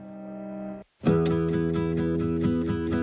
โดยบริคุณ